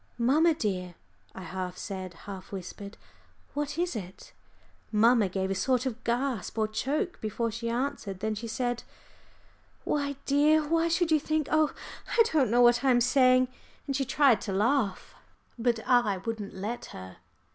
"Mamma, dear," I half said, half whispered, "what is it?" Mamma gave a sort of gasp or choke before she answered. Then she said, "Why, dear, why should you think oh, I don't know what I am saying," and she tried to laugh. But I wouldn't let her.